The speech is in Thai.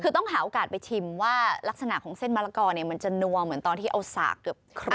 คือต้องหาโอกาสไปชิมว่าลักษณะของเส้นมะละกอเนี่ยมันจะนัวเหมือนตอนที่เอาสากเกือบครบ